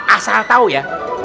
asal tau ya